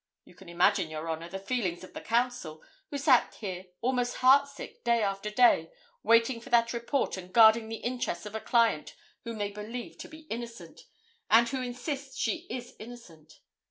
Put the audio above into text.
You can imagine, Your Honor, the feelings of the counsel, who sat here almost heart sick day after day, waiting for that report and guarding the interests of a client whom they believe to be innocent, and who insist she is innocent.